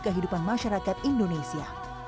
kehidupan masyarakat indonesia